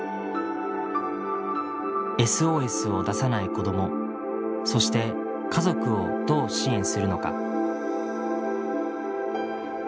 ＳＯＳを出さない子どもそして家族をどう支援するのか。